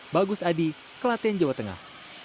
bagus adi kelaten jawa tengah